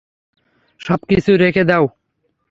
সব কিছু রেখে দাও।